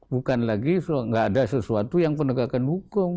bukan lagi nggak ada sesuatu yang penegakan hukum